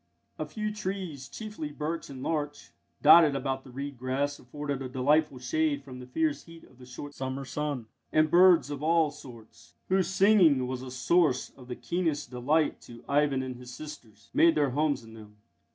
A few trees, chiefly birch and larch, dotted about the reed grass afforded a delightful shade from the fierce heat of the short summer sun; and birds of all sorts, whose singing was a source of the keenest delight to Ivan and his sisters, made their homes in them.